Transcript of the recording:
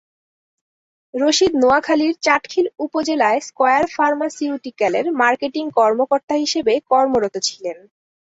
রশিদ নোয়াখালীর চাটখিল উপজেলায় স্কয়ার ফার্মাসিউটিক্যালের মার্কেটিং কর্মকর্তা হিসেবে কর্মরত ছিলেন।